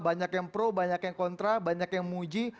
banyak yang pro banyak yang kontra banyak yang muji